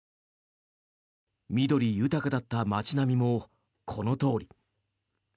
緑豊かだった街並みもこのとおり。